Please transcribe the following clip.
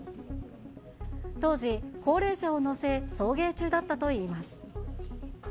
当時、高齢者を乗せ、送迎中だったといいます。